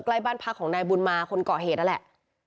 ใกล้บ้านพักของนายบุญมาคนเกาะเหตุนั่นแหละ